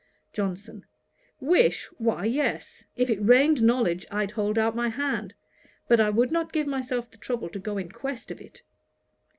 JOHNSON. 'Wish! why yes. If it rained knowledge I'd hold out my hand; but I would not give myself the trouble to go in quest of it.'